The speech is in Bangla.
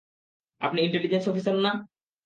আপনি ইন্টালিজেন্স অফিসার না?